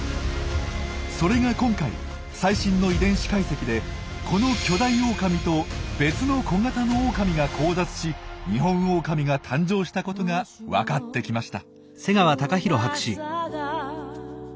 それが今回最新の遺伝子解析でこの巨大オオカミと別の小型のオオカミが交雑しニホンオオカミが誕生したことがわかってきました。